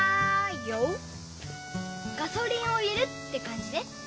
ガソリンを入れるってかんじね。